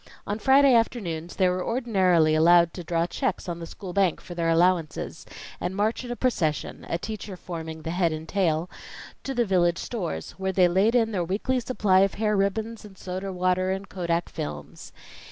On Friday afternoons, they were ordinarily allowed to draw checks on the school bank for their allowances, and march in a procession a teacher forming the head and tail to the village stores, where they laid in their weekly supply of hair ribbons and soda water and kodak films.